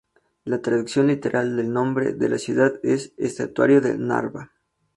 La traducción literal del nombre de la ciudad es estuario del Narva.